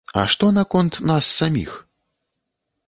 А што наконт нас саміх?